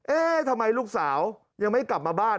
เอ๊ะทำไมลูกสาวยังไม่กลับมาบ้าน